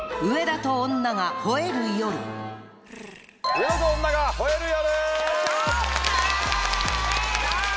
『上田と女が吠える夜』！